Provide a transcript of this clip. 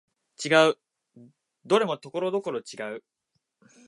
違う、どれもところどころ違う